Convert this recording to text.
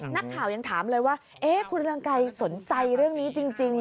นักข่าวยังถามเลยว่าคุณเรืองไกรสนใจเรื่องนี้จริง